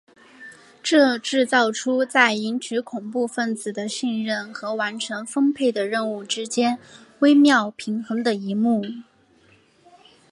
这制造出在赢取恐怖份子的信任和完成分配的任务之间微妙平衡的一幕。